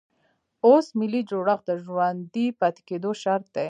اوس ملي جوړښت د ژوندي پاتې کېدو شرط دی.